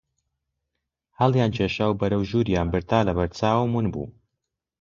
هەڵیان کێشا و بەرەو ژووریان برد تا لە بەر چاوم ون بوو